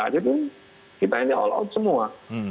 jadi kita ini all out semua